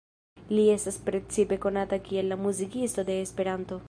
Li estas precipe konata kiel „la muzikisto de Esperanto“.